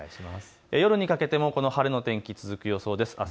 夜にかけてもこの晴れの天気続く予想です。